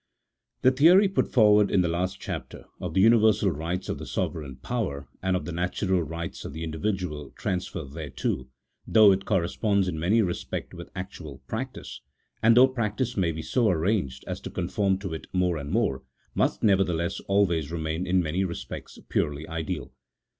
THE theory put forward in the last chapter, of the uni versal rights of the sovereign power, and of the natural rights of the individual transferred thereto, though it corre sponds in many respects with actual practice, and though practice may be so arranged as to conform to it more and more, must nevertheless always remain in many respects purely ideal.